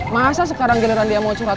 masa sekarang giliran dia mau curhat